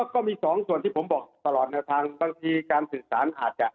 ก็มีสองส่วนที่ผมบอกตลอดแนวทางบางทีการสื่อสารอาจจะ